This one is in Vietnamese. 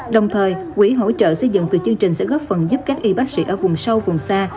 đồng thời quỹ hỗ trợ xây dựng từ chương trình sẽ góp phần giúp các y bác sĩ ở vùng sâu vùng xa